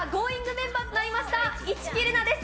メンバーとなりました市來玲奈です。